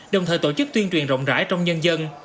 đồng thời tổ chức tuyên truyền rộng rãi trong nhân dân